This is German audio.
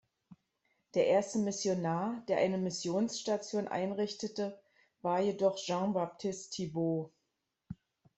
Der erste Missionar, der eine Missionsstation einrichtete, war jedoch Jean-Baptiste Thibault.